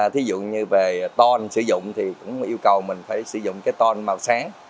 ví dụ như về ton sử dụng thì cũng yêu cầu mình phải sử dụng ton màu sáng